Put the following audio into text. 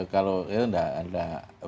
kalau itu enggak ada